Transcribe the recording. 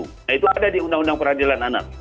nah itu ada di undang undang peradilan anak